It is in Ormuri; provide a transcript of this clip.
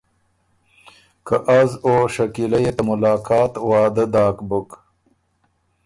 که از او شکیلۀ يې ته ملاقات وعدۀ داک بُک۔